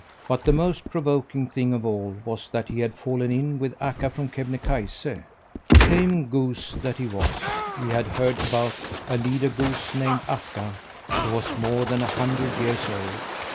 But the most provoking thing of all was that he had fallen in with Akka from Kebnekaise. Tame goose that he was, he had heard about a leader goose, named Akka, who was more than a hundred years old.